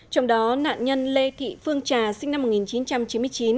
trong đó nạn nhân lê thị phương trà sinh năm một nghìn chín trăm chín mươi chín